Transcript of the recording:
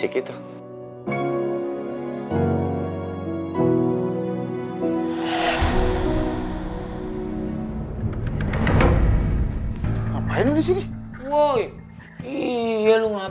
eh itu kan suara boy